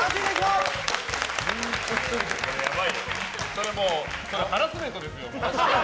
それハラスメントですよ。